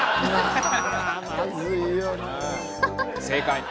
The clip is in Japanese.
正解。